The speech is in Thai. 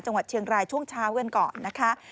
จังหวัดเชียงรายช่วงเช้ากันก่อนนะคะ